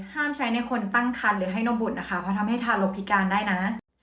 ใช้ในคนตั้งคันหรือให้นมบุตรนะคะเพราะทำให้ทารกพิการได้นะ